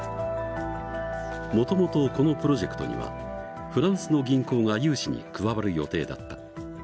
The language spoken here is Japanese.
もともとこのプロジェクトにはフランスの銀行が融資に加わる予定だった。